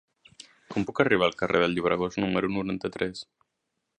Com puc arribar al carrer del Llobregós número noranta-tres?